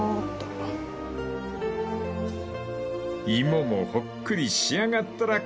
［芋もほっくり仕上がったら完成］